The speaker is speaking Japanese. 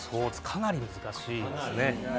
かなり難しいですね。